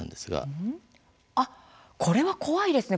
これは怖いですね